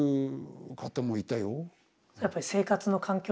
やっぱり生活の環境が？